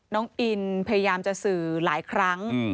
น้องอินพยายามจะสื่อหลายครั้ง